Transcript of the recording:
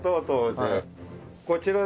こちらの。